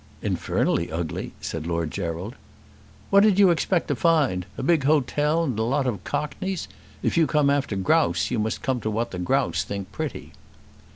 "Infernally ugly," said Lord Gerald. "What did you expect to find? A big hotel, and a lot of cockneys? If you come after grouse, you must come to what the grouse thinks pretty."